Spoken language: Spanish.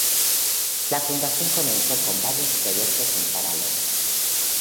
La fundación comenzó con varios proyectos en paralelo.